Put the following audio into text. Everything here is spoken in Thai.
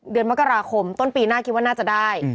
เดือนมกราคมต้นปีหน้าคิดว่าน่าจะได้